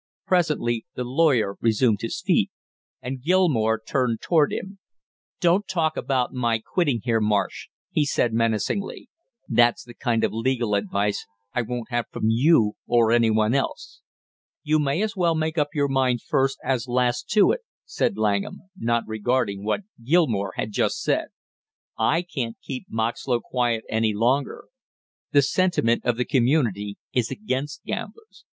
Presently the lawyer resumed his seat and Gilmore turned toward him. "Don't talk about my quitting here, Marsh," he said menacingly. "That's the kind of legal advice I won't have from you or any one else." "You may as well make up your mind first as last to it," said Langham, not regarding what Gilmore had just said. "I can't keep Moxlow quiet any longer; the sentiment of the community is against gamblers.